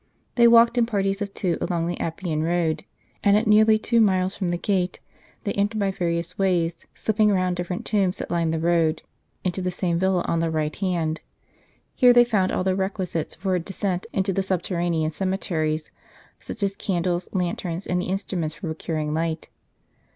They walked in parties of two along the Appian road ; and at nearly two miles from the Under^roun l gallery in the Catacombs, from Th. Roll€ de Rome." ''s "Cataeombes gate,* they entered by various ways (slipping round different tombs that lined the road) into the same villa on the right hand. Here they found all the requisites for a descent into the subterranean cemeteries, such as candles, lanterns, and the instruments for procuring light.